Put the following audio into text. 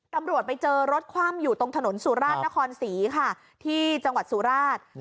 ตำรวจไปเจอรถคว่ำอยู่ตรงถนนสุราชนครศรีค่ะที่จังหวัดสุราช